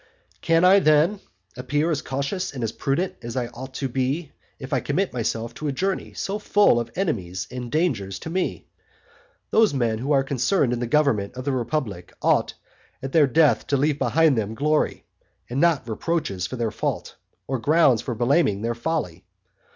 Can I, then, appear as cautious and as prudent as I ought to be if I commit myself to a journey so full of enemies and dangers to me? Those men who are concerned in the government of the republic ought at their death to leave behind them glory, and not reproaches for their fault, or grounds for blaming their folly.